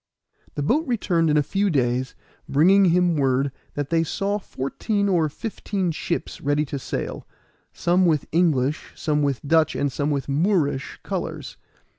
The boat returned in a few days, bringing him word that they saw fourteen or fifteen ships ready to sail, some with English, some with Dutch, and some with Moorish colors.